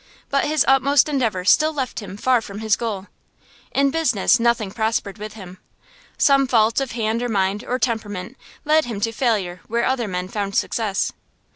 But his utmost endeavor still left him far from his goal. In business, nothing prospered with him. Some fault of hand or mind or temperament led him to failure where other men found success.